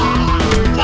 mereka bisa berdua